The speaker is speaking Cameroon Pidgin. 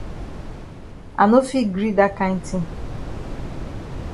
I no fit gree dat kind tin.